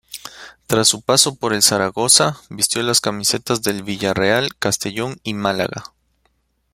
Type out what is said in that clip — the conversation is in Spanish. Tras su paso por el Zaragoza, vistió las camisetas del Villarreal, Castellón y Málaga.